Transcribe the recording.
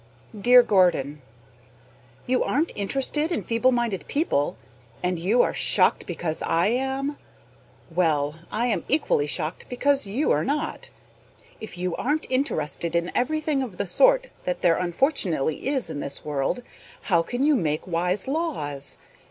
Dear Gordon: You aren't interested in feeble minded people, and you are shocked because I am? Well, I am equally shocked because you are not. If you aren't interested in everything of the sort that there unfortunately is in this world, how can you make wise laws?